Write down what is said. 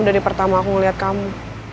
dari pertama aku ngeliat kamu